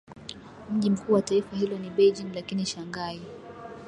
Mji mkuu wa taifa hilo ni Beijing lakini Shanghai